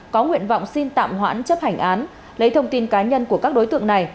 có nguyện vọng xin tạm hoãn chấp hành án lấy thông tin cá nhân của các đối tượng này